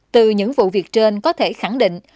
từ những vụ việc trên có thể khẳng định